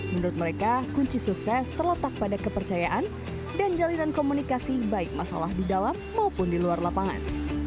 menurut mereka kunci sukses terletak pada kepercayaan dan jalinan komunikasi baik masalah di dalam maupun di luar lapangan